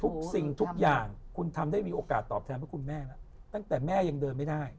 สิ่งทุกอย่างคุณทำได้มีโอกาสตอบแทนพระคุณแม่แล้วตั้งแต่แม่ยังเดินไม่ได้